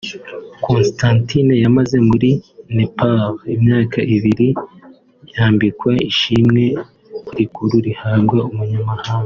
Constantine yamaze muri Nepal imyaka ibiri yambikwa ishimwe rikuru rihabwa umunyamahanga